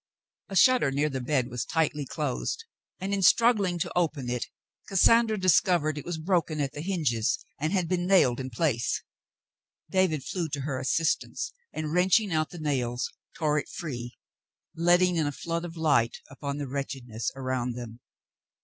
A shutter near the bed was tightly closed and, in strug gling to open it, Cassandra discovered it was broken at the 96 The Mountain Girl hinges and had been nailed in place. David flew to hei assistance and, wrenching out the nails, tore it free, let ting in a flood of light upon the wretchedness around them.